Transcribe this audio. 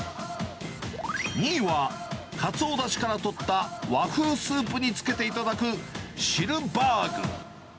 ２位は、かつおだしから取った和風スープにつけて頂く、しるばーぐ。